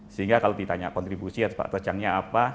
sehingga kalau ditanya kontribusi atau sepak terjangnya apa